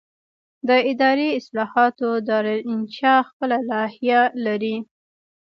د اداري اصلاحاتو دارالانشا خپله لایحه لري.